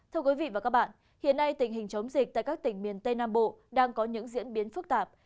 thưa quý vị và các bạn hiện nay tình hình chống dịch tại các tỉnh miền tây nam bộ đang có những diễn biến phức tạp